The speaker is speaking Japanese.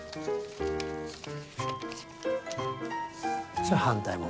それ反対も。